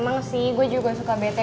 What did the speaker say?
emang sih gue juga suka bete